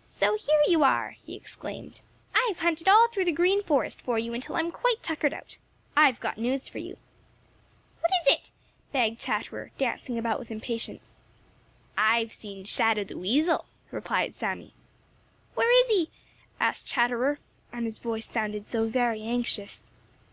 "So here you are!" he exclaimed. "I've hunted all through the Green Forest for you until I'm quite tuckered out. I've got news for you." "What is it?" begged Chatterer, dancing about with impatience. "I've seen Shadow the Weasel," replied Sammy. "Where is he?" asked Chatterer, and his voice sounded very anxious.